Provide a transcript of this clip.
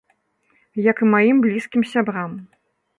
Як і маім блізкім сябрам.